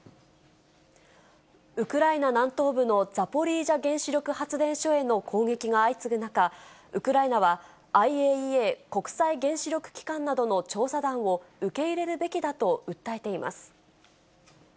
ウクライナ南東部のザポリージャ原子力発電所への攻撃が相次ぐ中、ウクライナは、ＩＡＥＡ・国際原子力機関などの調査団を受け入れるべきだと訴えています。